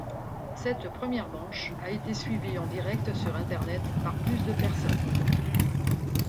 Cette première manche a été suivie en direct sur internet par plus de personnes.